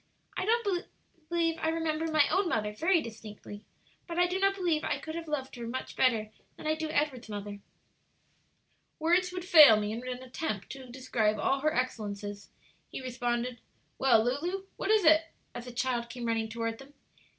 "I don't remember my own mother very distinctly, but I do not believe I could have loved her much better than I do Edward's mother." "Words would fail me in an attempt to describe all her excellences," he responded. "Well, Lulu, what is it?" as the child came running toward them.